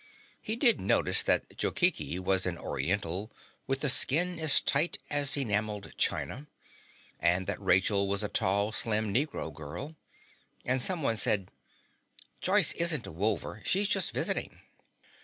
He did notice that Jokichi was an Oriental with a skin as tight as enameled china, and that Rachel was a tall slim Negro girl. Also someone said, "Joyce isn't a Wolver, she's just visiting."